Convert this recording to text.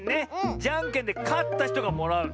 じゃんけんでかったひとがもらう。